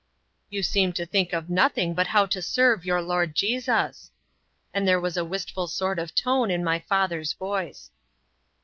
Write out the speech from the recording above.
"You seem to think of nothing but how to serve your 'Lord Jesus,'" and there was a wistful sort of tone in my father's voice.